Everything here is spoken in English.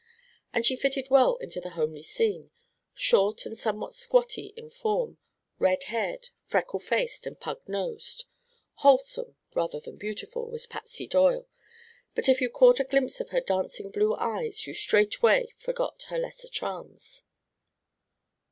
And she fitted well into the homely scene: short and somewhat "squatty" of form, red haired, freckle faced and pug nosed. Wholesome rather than beautiful was Patsy Doyle, but if you caught a glimpse of her dancing blue eyes you straightway forgot her lesser charms.